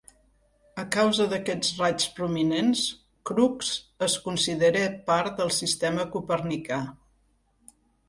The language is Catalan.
A causa d'aquests raigs prominents, Crookes es considera part del sistema copernicà.